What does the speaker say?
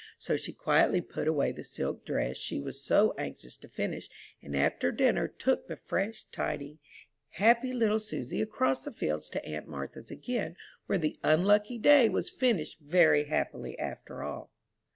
So she quietly put away the silk dress she was so anxious to finish, and after dinner took the fresh, tidy, happy little Susy across the fields to aunt Martha's again, where the unlucky day was finished very happily after all.